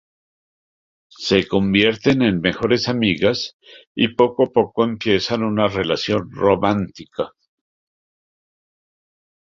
Se convierten en mejores amigas y poco a poco empiezan una relación romántica.